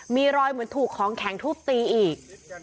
มีรอยเหมือนถูกของแข็งทุบตีอีก